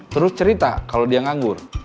terus cerita kalau dia nganggur